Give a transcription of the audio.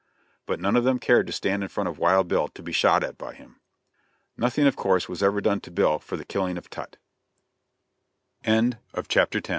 But none of them cared to stand in front of Wild Bill to be shot at by him. Nothing of course was ever done to Bill for the killing of Tutt. CHAPTER XI.